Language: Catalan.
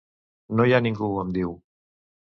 No hi ha ningú —em diu—.